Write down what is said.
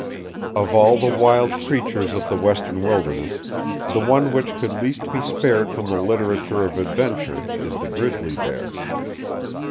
Of all the wild creatures of the Western wilderness, the one which could least be spared from the literature of adventure is the grizzly bear.